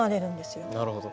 なるほど。